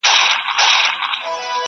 o زړه زړه ته لار لري!